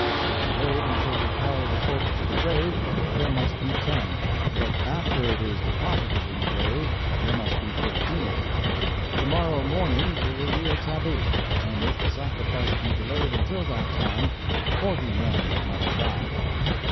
If delayed until we carry the corpse to the grave there must be ten; but after it is deposited in the grave there must be fifteen. To morrow morning there will be a tabu, and, if the sacrifice be delayed until that time, forty men must die.'